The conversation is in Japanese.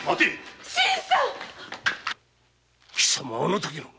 貴様はあの時の。